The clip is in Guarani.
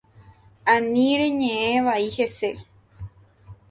Ani reñe’ẽ vai hese.